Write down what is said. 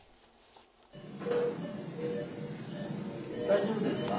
大丈夫ですか。